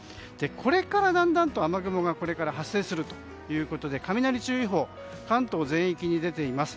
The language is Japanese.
これからだんだんと雨雲が発生するということで雷注意報、関東全域に出ています。